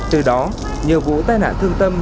từ đó nhiều vụ tai nạn thương tâm